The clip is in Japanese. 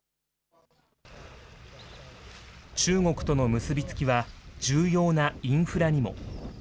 中国との結び付きは、重要なインフラにも。